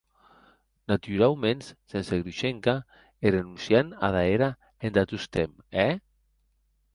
Naturauments, sense Grushenka e renonciant ada era entà tostemp, è?